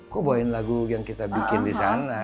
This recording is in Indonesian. kok bawain lagu yang kita bikin disana